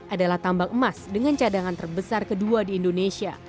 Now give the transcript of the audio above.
adalah tambang emas dengan cadangan terbesar kedua di indonesia